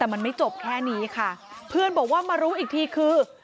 แต่มันไม่จบแค่นี้ค่ะเพื่อนบอกว่ามารู้อีกทีคือ